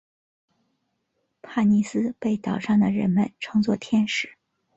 帕妮丝被岛上的人们称作天使。